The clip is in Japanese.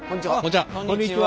こんにちは！